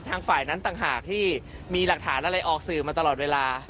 ฝ่ายนั้นต่างหากที่มีหลักฐานอะไรออกสื่อมาตลอดเวลา